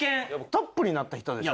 トップになった人でしょ？